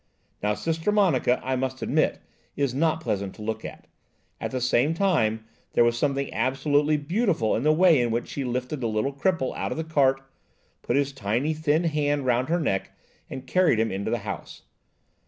Now Sister Monica, I must admit, is not pleasant to look at; at the same time, there was something absolutely beautiful in the way in which she lifted the little cripple out of the cart, put his tiny thin hand round her neck, and carried him into the house.